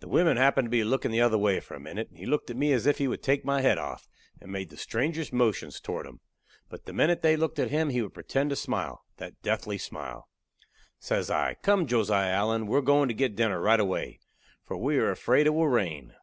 The wimmen happened to be a lookin' the other way for a minute, and he looked at me as if he would take my head off, and made the strangest motions toward 'em; but the minute they looked at him he would pretend to smile that deathly smile. Says I, "Come, Josiah Allen, we're goin' to get dinner right away, for we are afraid it will rain."